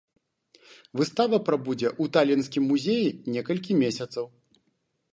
Выстава прабудзе ў талінскім музеі некалькі месяцаў.